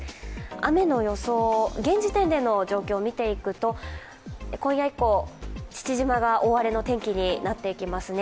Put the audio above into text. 雨の予想、現時点での状況を見ていくと今夜以降、父島が大荒れの天気になっていきますね。